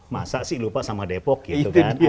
masa sih lupa sama depok gitu kan